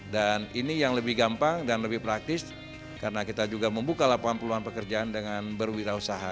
dan ini yang lebih gampang dan lebih praktis karena kita juga membuka lapangan peluang pekerjaan dengan berwirausaha